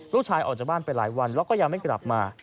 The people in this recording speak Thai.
ลูกชายออกจากบ้านไปหลายวันแล้วก็ยังไม่กลับมา